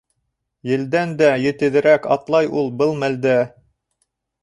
Елдән дә етеҙерәк атлай ул был мәлдә.